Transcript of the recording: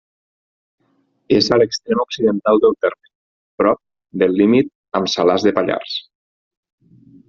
És a l'extrem occidental del terme, prop del límit amb Salàs de Pallars.